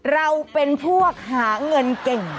เราเป็นพวกหาเงินเก่ง